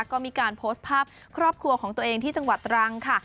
ก็มีการโพสต์ภาพครอบครัวของตัวเองที่จังหวัดตรังค่ะ